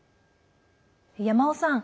山尾さん